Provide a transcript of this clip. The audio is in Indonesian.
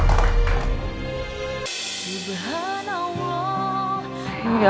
kasi tepuk tangan buat dia